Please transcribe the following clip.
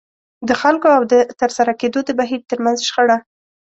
د خلکو او د ترسره کېدو د بهير ترمنځ شخړه.